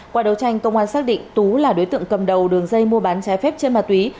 qua đấu tranh công an xác định tú là đối tượng cầm đầu đường dây mua bán trái phép trên ma túy